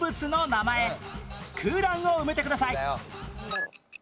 空欄を埋めてください